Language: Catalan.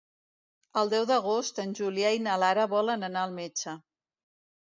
El deu d'agost en Julià i na Lara volen anar al metge.